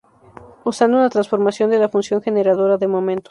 Usando una transformación de la función generadora de momentos.